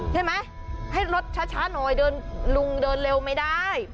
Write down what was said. ใช่ไหมให้รถช้าหน่อยลุงเดินเร็วไม่ได้